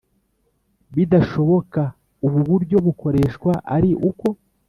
bidashoboka Ubu buryo bukoreshwa ari uko